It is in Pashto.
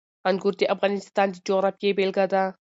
انګور د افغانستان د جغرافیې بېلګه ده.